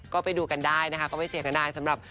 ก็ไปดูกันได้นะคะก็ไม่เสียก็ได้สำหรับ